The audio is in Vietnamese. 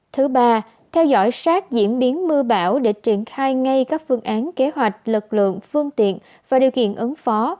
thứ ba theo dõi sát diễn biến mưa bão để triển khai ngay các phương án kế hoạch lực lượng phương tiện và điều kiện ứng phó